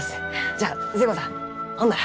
じゃあ寿恵子さんほんなら。